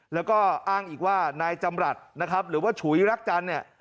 แล้วก็อ้างอีกว่านายจำรัฐนะครับหรือว่าฉุยรักจันทร์เนี่ย